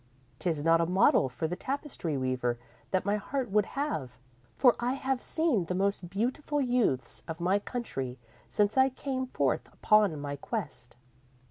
'Tis not a model for the tapestry weaver that my heart would have, for I have seen the most beautiful youths of my country since I came forth upon my quest.